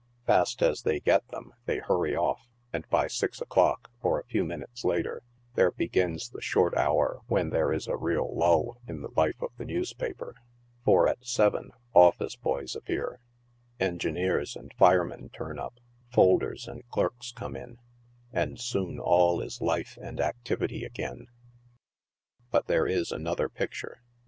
Fast as they get them they hurry off, and by six o'clock, or a few minutes later, there begins the short hour when there is a real lull in the life of the newspaper, for at seven office boys appear, engineers and firemen turn up, folders and clerks come in, and soon all is life and activity again. But there is another picture.